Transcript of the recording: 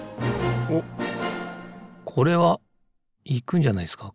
おっこれはいくんじゃないですか